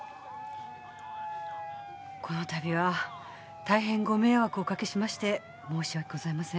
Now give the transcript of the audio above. このたびは大変ご迷惑をおかけしまして申し訳ございません。